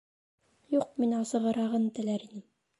Юҡ, мин асығырағын теләр инем